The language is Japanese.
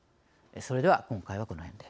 それでは今回はこのへんで。